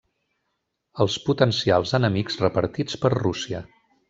Els potencials enemics repartits per Rússia.